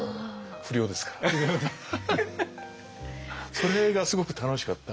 それがすごく楽しかった。